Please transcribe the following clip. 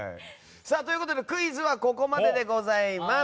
クイズはここまででございます。